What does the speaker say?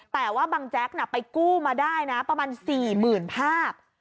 แต่ว่าบังแจ๊กไปกู้มาได้นะประมาณ๔๐๐๐ภาพ